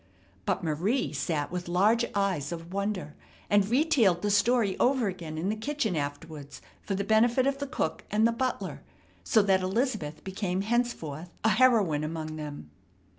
But Marie sat with large eyes of wonder, and retailed the story over again in the kitchen afterwards for the benefit of the cook and the butler, so that Elizabeth became henceforth a heroine among them.